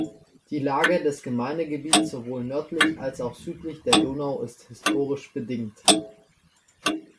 Die Lage des Gemeindegebietes sowohl nördlich als auch südlich der Donau ist historisch bedingt.